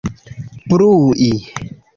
brui